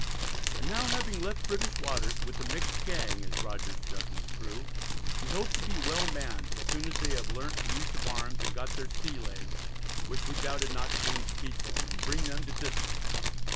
And now having left British waters, with a "mixed gang," as Rogers dubbed his crew, "we hope to be well manned, as soon as they have learnt the use of arms, and got their sea legs, which we doubted not soon to teach them, and bring them to discipline."